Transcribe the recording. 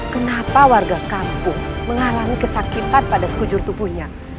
kenapa warga kampung mengalami kesakitan pada sekujur tubuhnya